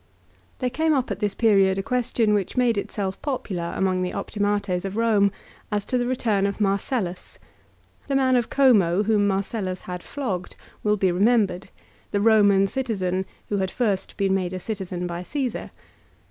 There came up at this period a question which made itself 176 LIFE OF CICERO. popular among the optimates of Borne as to the return or Marcellus. The man of Como, whom Marcellus had flogged, will be remembered, the Roman citizen who had first been made a citizen by Caesar.